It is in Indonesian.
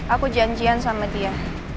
aku janjian sama dia